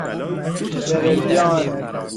بِرلیان